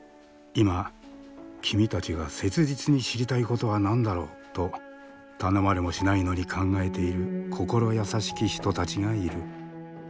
「今君たちが切実に知りたいことは何だろう？」と頼まれもしないのに考えている心優しき人たちがいる。